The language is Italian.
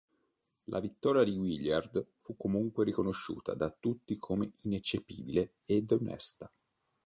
La vittoria di Willard fu comunque riconosciuta da tutti come ineccepibile ed onesta.